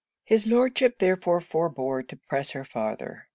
His Lordship therefore forbore to press her farther.